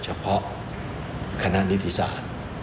เฉพาะคณะนิติศาสตร์